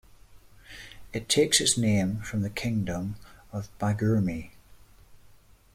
It takes its name from the kingdom of Baguirmi.